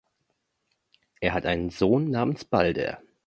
Er hat einen Sohn namens "Balder".